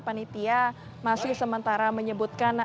panitia masih sementara menyebutkan